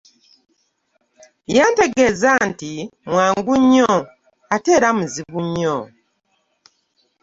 Yautegeeza nti mwangu nnyo ate rea muzibu nnyo .